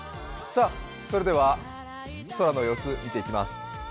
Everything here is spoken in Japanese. それでは空の様子見ていきます。